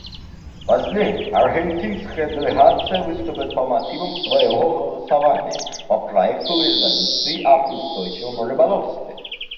Позднее аргентинская делегация выступит по мотивам своего голосования по проекту резолюции об устойчивом рыболовстве.